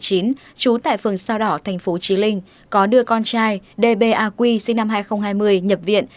trú tại phường sao đỏ tp chí linh có đưa con trai dba quy sinh năm hai nghìn hai mươi nhập viện